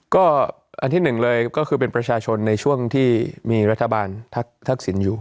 ก็อันที่หนึ่งเลยก็คือเป็นประชาชนในช่วงที่มีรัฐบาลทักษิณอยู่